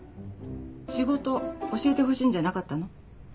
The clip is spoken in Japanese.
仕事教えてほしいんじゃなかったの？